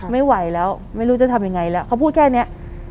ไม่ไหวแล้วไม่รู้จะทำยังไงแล้วเขาพูดแค่นี้